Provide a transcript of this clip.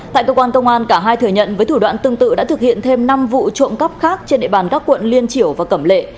tại cơ quan công an cả hai thừa nhận với thủ đoạn tương tự đã thực hiện thêm năm vụ trộm cắp khác trên địa bàn các quận liên triểu và cẩm lệ